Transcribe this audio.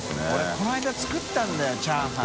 このあいだ作ったんだよチャーハン。